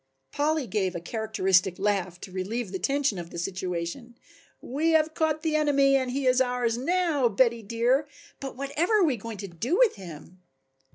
Polly gave a characteristic laugh to relieve the tension of the situation. "We have caught the enemy and he is ours now, Betty, dear, but whatever are we going to do with him?"